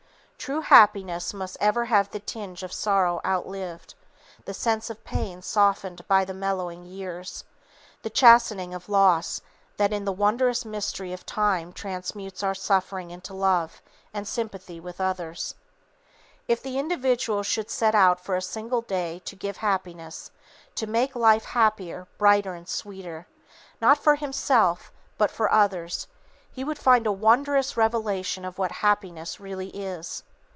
True happiness must ever have the tinge of sorrow outlived, the sense of pain softened by the mellowing years, the chastening of loss that in the wondrous mystery of time transmutes our suffering into love and sympathy with others. If the individual should set out for a single day to give Happiness, to make life happier, brighter and sweeter, not for himself, but for others, he would find a wondrous revelation of what Happiness really is.